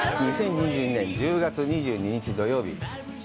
２０２２年１０月２２日、土曜日。